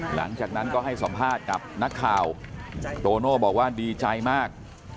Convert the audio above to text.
หลังจากนั้นก็ให้สัมภาษณ์กับนักข่าวโตโน่บอกว่าดีใจมาก